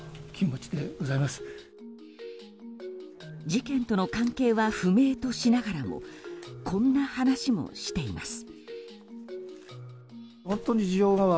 事件との関係は不明としながらもこんな話もしています。